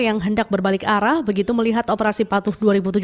yang hendak berbalik arah begitu melihat operasi patuh dua ribu tujuh belas